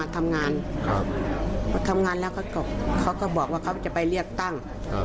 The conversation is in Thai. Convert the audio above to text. ทำงานละเขาก็บอกเขาจะไปเรียกตั้ง